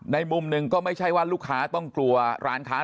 มุมหนึ่งก็ไม่ใช่ว่าลูกค้าต้องกลัวร้านค้า